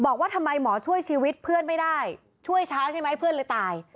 บอกว่าทำไมหมอช่วยชีวิตเพื่อนไม่ได้ช่วยเช้าใช่ไหมเพื่อนเลยตาย